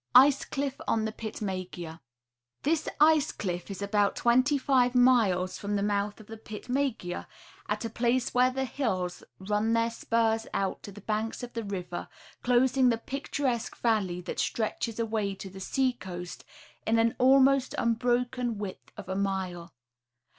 Icn CLiFF ON THE PITMEGEA. This ice cliff is about twenty five miles from the mouth of the Pitmegea, at a place where the hills run their spurs out to the banks of the river, closing the picturesque valley that stretches away to the sea coast in an almost unbroken width of a mile.